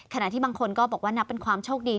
ขณะที่บางคนก็บอกว่านับเป็นความโชคดี